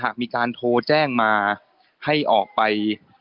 มีการโทรแจ้งมาให้ออกไป